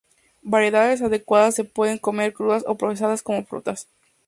Variedades adecuadas se pueden comer crudas o procesados como frutas.